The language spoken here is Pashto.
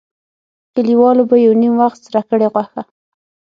کلیوالو به یو نیم وخت سره کړې غوښه.